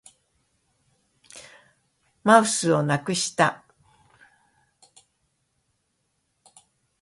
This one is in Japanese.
マウスをなくした